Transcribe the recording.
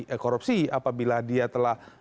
eh korupsi apabila dia telah